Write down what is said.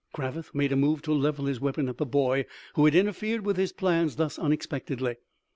Cravath made a move to level his weapon at the boy who had interfered with his plans thus unexpectedly.